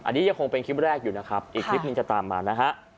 อันนี้ยังคงเป็นคลิปแรกอยู่นะครับอีกคลิปหนึ่งจะตามมานะฮะ